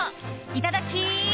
いただき！